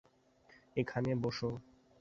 এখানে বসো।